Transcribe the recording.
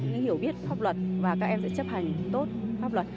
những hiểu biết pháp luật và các em sẽ chấp hành tốt pháp luật